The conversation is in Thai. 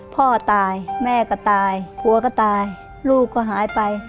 พ่อตายแม่ก็ตายผัวก็ตายลูกก็หายไป